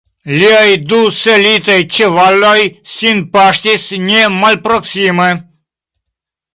Liaj du selitaj ĉevaloj sin paŝtis ne malproksime.